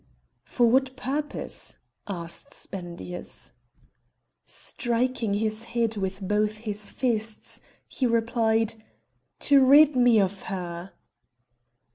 "For what purpose?" asked Spendius. Striking his head with both his fists, he replied: "To rid me of her!"